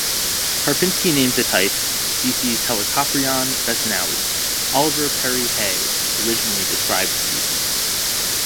Karpinsky named the type species "Helicoprion bessonowi"; Oliver Perry Hay originally described the species.